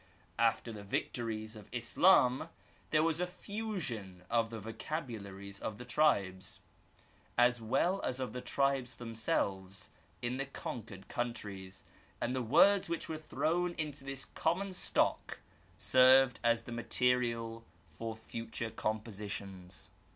After the victories of Islam there was a fusion of the vocabularies of the tribes, as well as of the tribes themselves, in the conquered countries, and the words which were thrown into this common stock served as the ma terial for future compositions.